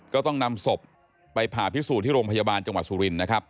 ก็ต้องนำศพไปผ่าพิสูจน์ที่โรงพยาบาลจังหวัดสุรินนะครับ